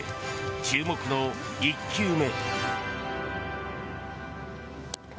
注目の１球目。